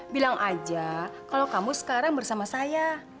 bilang aja kalau kamu sekarang bersama saya